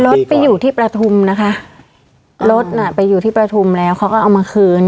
รถไปอยู่ที่ประทุมนะคะรถน่ะไปอยู่ที่ประทุมแล้วเขาก็เอามาคืน